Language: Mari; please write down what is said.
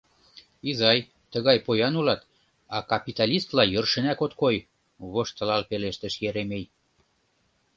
— Изай, тыгай поян улат, а капиталистла йӧршынак от кой, — воштылал пелештыш Еремей.